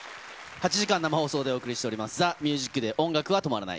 ８時間生放送でお送りしております、ＴＨＥＭＵＳＩＣＤＡＹ音楽は止まらない。